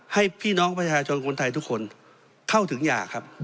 ให้พี่น้องประชาชนคนไทยทุกคนเข้าถึงยาครับ